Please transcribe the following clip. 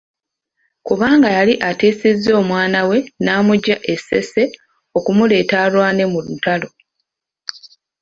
Kubanga yali attisizza omwana we ng’amuggya e Ssese okumuleeta alwane mu ntalo.